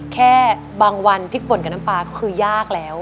แค่บางวันพริกป่นกับน้ำปลาก็คือยากแล้ว